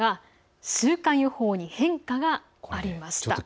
週間予報に変化があります。